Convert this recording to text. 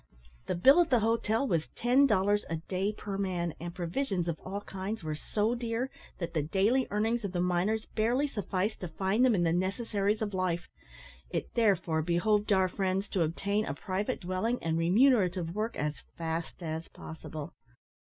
The bill at the hotel was ten dollars a day per man; and provisions of all kinds were so dear, that the daily earnings of the miners barely sufficed to find them in the necessaries of life. It therefore behoved our friends to obtain a private dwelling and remunerative work as fast as possible.